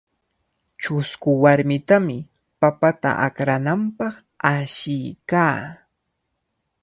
Chusku warmitami papata akrananpaq ashiykaa.